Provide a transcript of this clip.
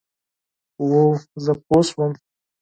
هو، زه پوه شوم،